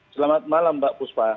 selamat malam mbak puspa